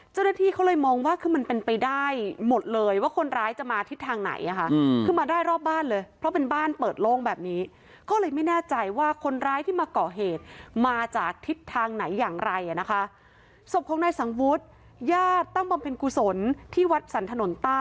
เจ้าหน้าที่เขาเลยมองว่าคือมันเป็นไปได้หมดเลยว่าคนร้ายจะมาทิศทางไหน